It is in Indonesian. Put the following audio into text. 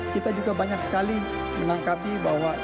kita juga banyak sekali menangkapi bahwa